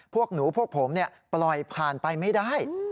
พวกหนูพวกผมปล่อยผ่านไปไม่ได้